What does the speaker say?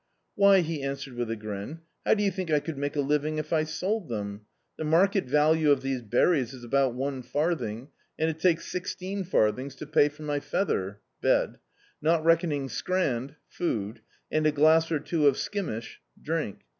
"Why," he answered with a grin, "how do you think I could make a living if I sold them? The market value of these berries is about one farthing, and it takes sixteen farthings to pay for my feather (bed) not reckoning scrand (food), and a glass or two of skim ish (drink).